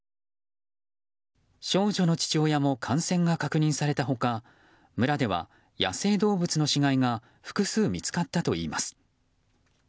少女の父親も感染が確認された他村では野生動物の死骸が複数見つかったといいます。